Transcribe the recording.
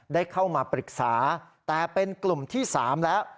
ได้เข้ามาปรึกษาแต่เป็นกลุ่มที่๓แล้ว